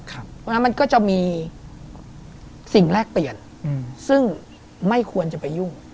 เพราะฉะนั้นมันก็จะมีสิ่งแลกเปลี่ยนซึ่งไม่ควรจะไปยุ่ง